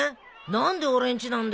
何で俺んちなんだよ。